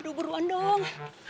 aduh buruan dong